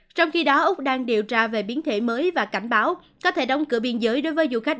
trong khi đó úc đang điều tra về biến thể mới và cảnh báo có thể đóng cửa biên giới đối với du khách